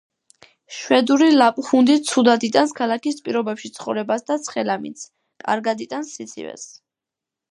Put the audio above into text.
შვედური ლაპჰუნდი ცუდად იტანს ქალაქის პირობებში ცხოვრებას და ცხელ ამინდს, კარგად იტანს სიცივეს.